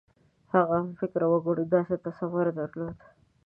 هغه همفکره وګړو داسې تصور درلود.